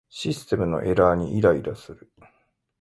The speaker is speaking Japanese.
システムのエラーにイライラする